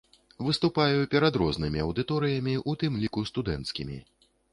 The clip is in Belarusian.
Выступаю перад рознымі аўдыторыямі, у тым ліку студэнцкімі.